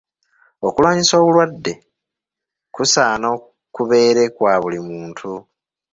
Okulwanyisa obulwadde kusaana kubeere kwa buli muntu.